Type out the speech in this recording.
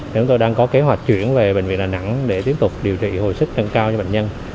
chúng tôi đang có kế hoạch chuyển về bệnh viện đà nẵng để tiếp tục điều trị hồi sức tăng cao cho bệnh nhân